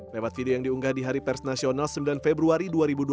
lewat video yang diunggah di hari persnasional sembilan februari dua ribu dua puluh satu